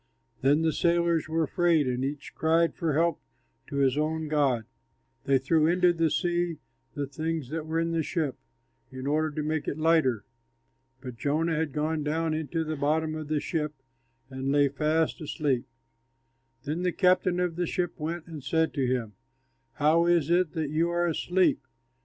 Then the sailors were afraid and each cried for help to his own god. They threw into the sea the things that were in the ship, in order to make it lighter. But Jonah had gone down into the bottom of the ship and lay fast asleep. Then the captain of the ship went and said to him, "How is it that you are asleep?